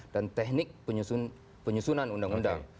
dan teknik penyusunan undang undang